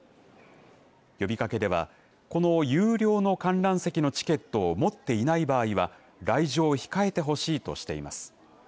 呼びかけではこの有料の観覧席のチケットを持っていない場合は来場を控えてほしいとしています。